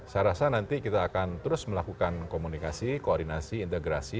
saya rasa nanti kita akan terus melakukan komunikasi koordinasi integrasi